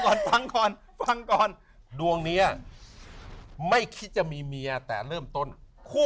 ก่อนฟังก่อนฟังก่อนดวงนี้ไม่คิดจะมีเมียแต่เริ่มต้นคู่